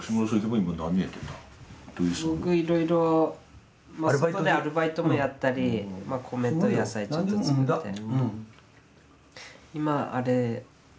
僕いろいろまあ外でアルバイトもやったり米と野菜ちょっと作って。